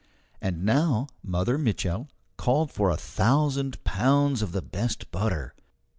And now Mother Mitchel called for a thousand pounds of the best butter.